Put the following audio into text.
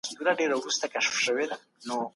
درې تر څلورو لږ دي.